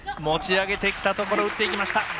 持ち上げてきたところ打ってきました。